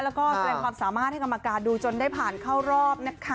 แล้วก็แสดงความสามารถให้กรรมการดูจนได้ผ่านเข้ารอบนะคะ